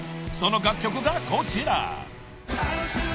［その楽曲がこちら］